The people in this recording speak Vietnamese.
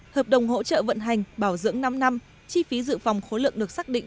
hợp đồng hỗ trợ vận hành bảo dưỡng năm năm chi phí dự phòng khối lượng được xác định